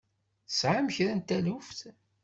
Tesɛam kra n taluft?